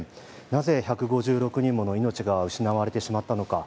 なぜ１５６人もの命が失われてしまったのか。